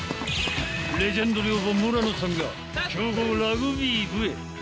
レジェンド寮母・村野さんが強豪ラグビー部へ。